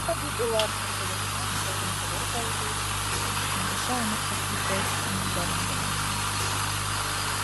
Әле лә бит ул һәр береһенең ауыҙын тығырҙай һүҙ, өндәшә алмаҫлыҡ итеү әмәлдәрен белә.